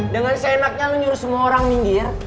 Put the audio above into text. dengan seenaknya lo nyuruh semua orang pinggir